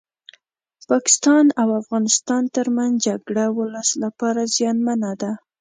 پاکستان او افغانستان ترمنځ جګړه ولس لپاره زيانمنه ده